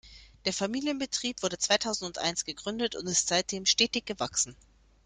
Der Familienbetrieb wurde zweitausendeins gegründet und ist seitdem stetig gewachsen.